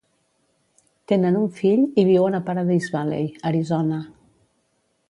Tenen un fill i viuen a Paradise Valley, Arizona.